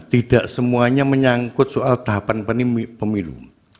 tidak semuanya menyangkut soal tahapan pemilu